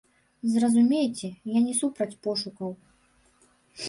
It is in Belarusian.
Зразумейце, я не супраць пошукаў.